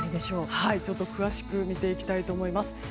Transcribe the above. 詳しく見ていきたいと思います。